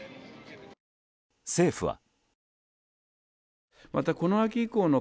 政府は。